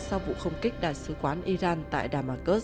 sau vụ không kích đại sứ quán iran tại damas